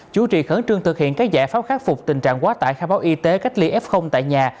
chủ trị khẩn trương thực hiện các giải pháp khắc phục tình trạng quá tải khai báo y tế cách ly f tại nhà